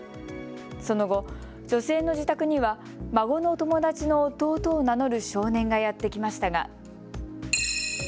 その後、女性の自宅には孫の友達の弟を名乗る少年がやって来ましたが。